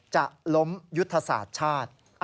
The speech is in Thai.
จะล้มยุทธศาสตร์ชาติ